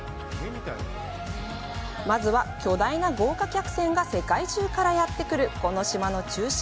まずは、巨大な豪華客船が世界中からやってくる、この島の中心